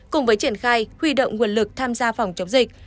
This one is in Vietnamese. cùng với triển khai huy động nguồn lực tham gia phòng chống dịch